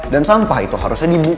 dan sampah itu harusnya dibu